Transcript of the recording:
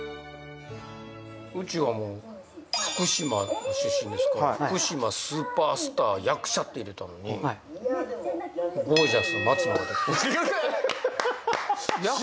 うちはもう福島出身ですから「福島」「スーパースター」「役者」って入れたのにゴージャス松野が出たははは